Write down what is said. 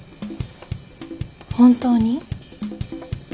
本当に？